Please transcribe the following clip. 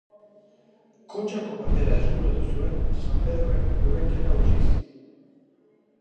Kontxako Bandera eskuratu zuen, San Pedroren hurrenkera hautsiz.